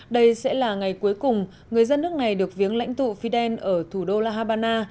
đây sẽ là ngày cuối cùng người dân nước này được viếng lãnh tụ fidel ở thủ đô la habana